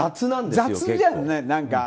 雑じゃんね、何か。